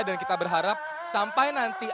dan kita berharap sampai nanti